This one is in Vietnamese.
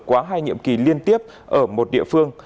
quá hai nhiệm kỳ liên tiếp ở một địa phương